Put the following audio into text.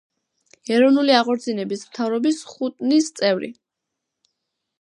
ეროვნული აღორძინების მთავრობის ხუნტის წევრი.